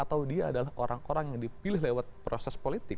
atau dia adalah orang orang yang dipilih lewat proses politik